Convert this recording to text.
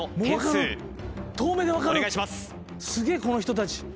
この人たち。